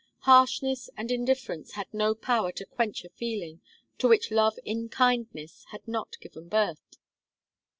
Harshness and indifference had no power to quench a feeling, to which love in kindness had not given birth.